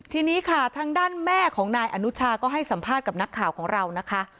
ทีนี้ค่ะทางด้านแม่ของนายอนุชาก็ให้สัมภาษณ์กับนักข่าวของเรานะคะ